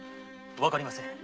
わかりません。